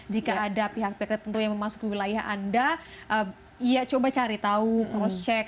jika ada pihak pihak tertentu yang memasuki wilayah anda ya coba cari tahu cross check